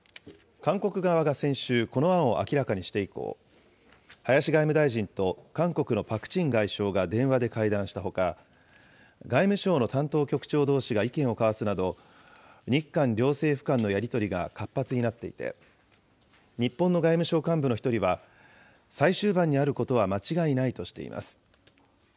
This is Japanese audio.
韓国側が先週、この案を明らかにして以降、林外務大臣と韓国のパク・チン外相が電話で会談したほか、外務省の担当局長どうしが意見を交わすなど、日韓両政府間のやり取りが活発になっていて、日本の外務省幹部の１人は、最終盤にあることは間違いないとしています。